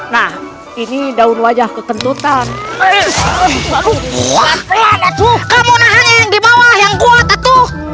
nah ini daun wajah kekentutan eh kamu nahan yang dibawah yang kuat